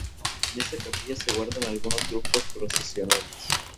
En esta capilla se guardan algunos grupos procesionales.